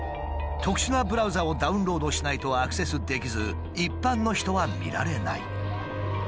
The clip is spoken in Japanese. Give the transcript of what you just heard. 特殊なブラウザをダウンロードしないとアクセスできず一般の人は見られない。